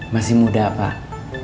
masih muda pak